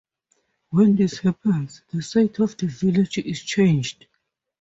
When this happens, the site of the village is changed.